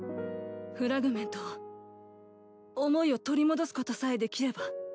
フラグメントを思いを取り戻すことさえできれば。